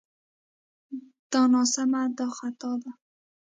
دا ناسمه دا خطا ده